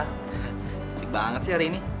unik banget sih hari ini